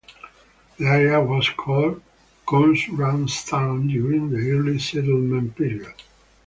The area was called "Coonradstown" during the early settlement period.